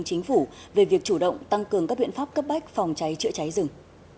chính phủ về việc chủ động tăng cường các biện pháp cấp bách phòng cháy chữa cháy rừng